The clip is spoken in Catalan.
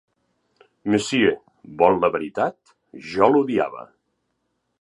Monsieur, vol la veritat: jo l'odiava!